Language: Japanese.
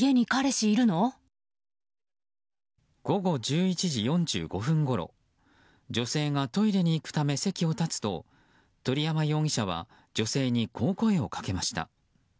午後１１時４５分ごろ女性がトイレに行くため席を立つと鳥山容疑者は、女性にこう声をかけました。